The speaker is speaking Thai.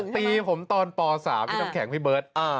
ตีผมตอนป๓พี่น้ำแข็งพี่เบิร์ต